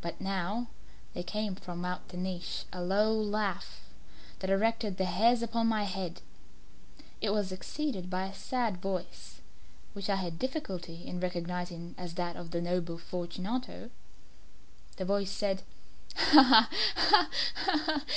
But now there came from out the niche a low laugh that erected the hairs upon my head. It was succeeded by a sad voice, which I had difficulty in recognizing as that of the noble Fortunato. The voice said "Ha! ha! ha!